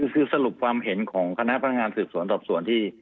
คือสรุปความเห็นของคณะพนักงานสืบสวนสอบสวนที่